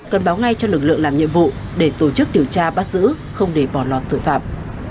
cần báo ngay cho lực lượng làm nhiệm vụ để tổ chức điều tra bắt giữ không để bỏ lọt tội phạm